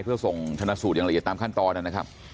เพื่อส่งชนะสูตรอย่างละเอียดตามขั้นตอนนะครับ